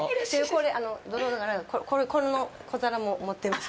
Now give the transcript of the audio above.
この小皿も持ってます。